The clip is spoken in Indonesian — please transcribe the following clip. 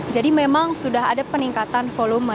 jadi memang sudah ada peningkatan volume